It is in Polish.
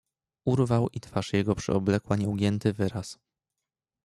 "Urwał i twarz jego przyoblekła nieugięty wyraz."